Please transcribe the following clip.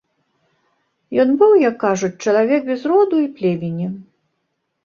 Ён быў, як кажуць, чалавек без роду і племені.